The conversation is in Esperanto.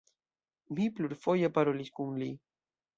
Mi plurfoje parolis kun li.